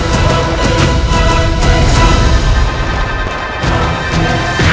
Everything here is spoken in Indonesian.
tidak ada masalah